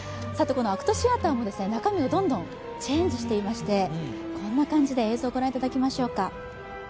このＡＣＴシアターの中身もどんどんチェンジしてましてこんな感じで、映像を御覧いただきましょうか。